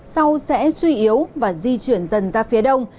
sau sẽ suy yếu và di chuyển dần ra phía đông